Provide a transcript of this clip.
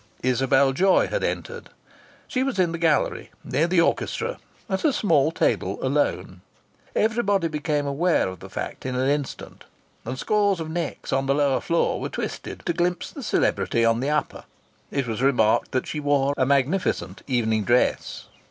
Isabel Joy had entered. She was in the gallery, near the orchestra, at a small table alone. Everybody became aware of the fact in an instant, and scores of necks on the lower floor were twisted to glimpse the celebrity on the upper. It was remarked that she wore a magnificent evening dress.